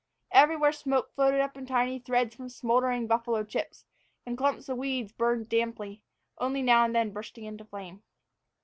Everywhere smoke floated up in tiny threads from smoldering buffalo chips, and clumps of weeds burned damply, only now and then bursting into flame.